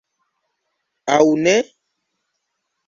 Aŭ ne?